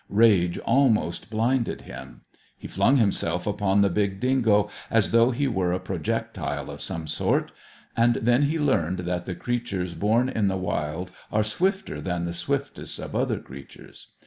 Rage almost blinded him. He flung himself upon the big dingo as though he were a projectile of some sort. And then he learned that the creatures born in the wild are swifter than the swiftest of other creatures.